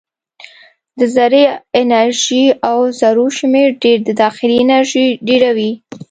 د ذرې انرژي او ذرو شمیر ډېر د داخلي انرژي ډېروي.